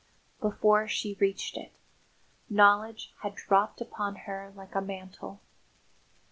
Before she reached it, knowledge had dropped upon her like a mantle.